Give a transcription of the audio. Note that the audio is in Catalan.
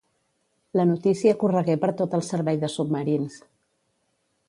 La notícia corregué per tot el servei de submarins.